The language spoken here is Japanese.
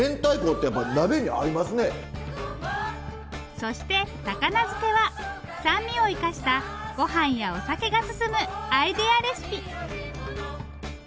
そして高菜漬けは酸味を生かしたご飯やお酒が進むアイデアレシピ。